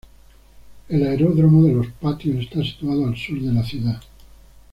El Aeródromo de Los Patios está situado al sur de la ciudad.